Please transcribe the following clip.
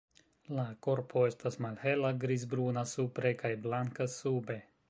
La korpo estas malhela grizbruna supre kaj blanka sube.